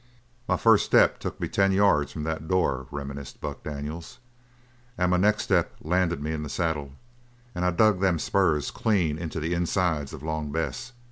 "My first step took me ten yards from that door," reminisced Buck Daniels, "and my next step landed me in the saddle, and I dug them spurs clean into the insides of Long Bess.